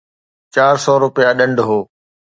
چار سؤ رپيا ڏنڊ هو.